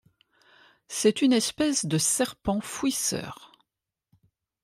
C'est une espèce de serpent fouisseur.